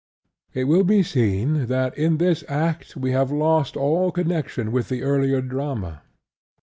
It will be seen that in this act we have lost all connection with the earlier drama.